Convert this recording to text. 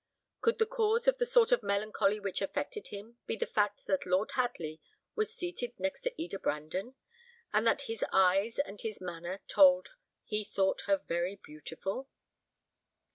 Could the cause of the sort of melancholy which affected him, be the fact that Lord Hadley was seated next to Eda Brandon, and that his eyes and his manner told he thought her very beautiful?